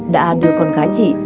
đã đưa con gái chị